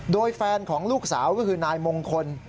โดยแฟนของลูกสาวก็คือนายมงคล